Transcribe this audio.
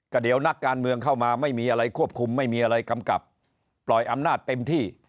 ก็เดี๋ยวนักการเมืองเข้ามาไม่มีอะไรควบคุมไม่มีอะไรกำกับปล่อยอำนาจเต็มที่